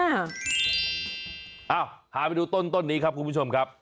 อ้าวพาไปดูต้นนี้ครับคุณผู้ชมครับ